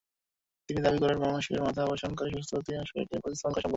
তিনি দাবি করেন, মানুষের মাথা অপসারণ করে সুস্থ শরীরে প্রতিস্থাপন করা সম্ভব।